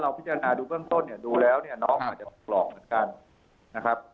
พิจารณาดูเบื้องต้นเนี่ยดูแล้วเนี่ยน้องอาจจะปลอกเหมือนกันนะครับ